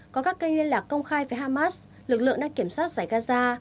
có các kênh liên lạc công khai với hamas lực lượng đang kiểm soát giải gaza